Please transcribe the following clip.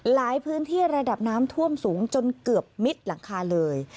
หลายพื้นที่ระดับน้ำท่วมสูงจนเกือบมิดหลังคาเลย